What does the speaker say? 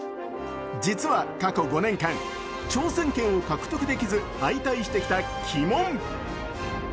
実は過去５年間挑戦権を獲得できず敗退してきた鬼門。